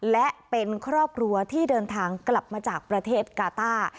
และเป็นครอบครัวที่เดินทางกลับมาจากประเทศกาต้า